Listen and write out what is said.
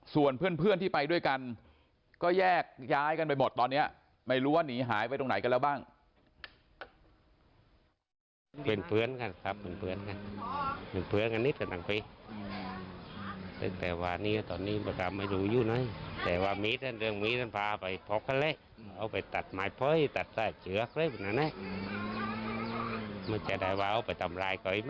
ส่วนเพื่อนที่ไปด้วยกันก็แยกย้ายกันไปหมดตอนนี้ไม่รู้ว่าหนีหายไปตรงไหนกันแล้วบ้าง